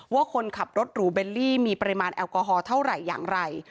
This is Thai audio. ว่าคนขับรถหรูเบลลี่มีปริมาณแอลกอฮอลเท่าไหร่อย่างไร